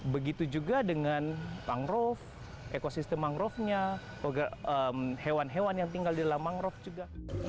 begitu juga dengan mangrove ekosistem mangrovenya hewan hewan yang tinggal di dalam mangrove juga